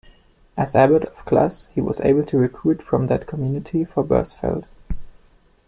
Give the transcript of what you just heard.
As abbot of Clus, he was able to recruit from that community for Bursfelde.